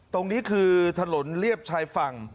ตรงนี้คือถนนเรียบชายฝั่ง